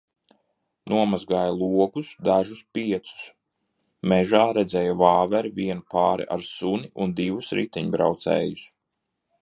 Nomazgāju logus, dažus, piecus. Mežā redzēju vāveri, vienu pāri ar suni un divus riteņbraucējus.